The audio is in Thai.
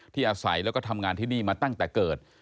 อาศัยแล้วก็ทำงานที่นี่มาตั้งแต่เกิด